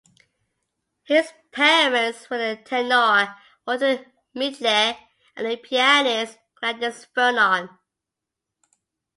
His parents were the tenor Walter Midgley and the pianist Gladys Vernon.